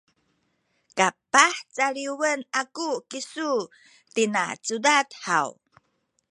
kapah caliwen aku kisu tina cudad haw?